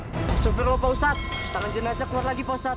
astagfirullahaladzim poh ostat tangan jenazah keluar lagi posat